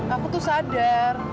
aku tuh sadar